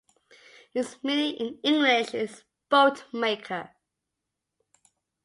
Its meaning in English is boat maker.